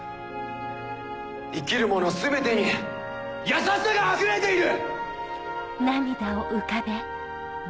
生きるもの全てに優しさがあふれている！